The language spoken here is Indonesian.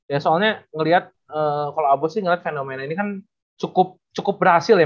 ya soalnya ngeliat kalo abos sih ngeliat fenomena ini kan cukup berhasil ya